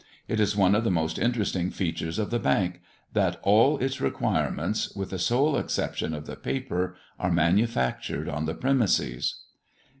It is one of the most interesting features of the Bank, that all its requirements, with the sole exception of the paper, are manufactured on the premises.